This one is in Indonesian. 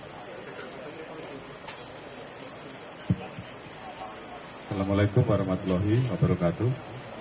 assalamu alaikum warahmatullahi wabarakatuh